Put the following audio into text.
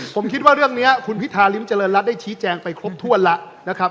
ผมคิดว่าเรื่องนี้คุณพิษฐานิ้มจริรันดรัชได้ชี้แจงไปครบถ้วนละ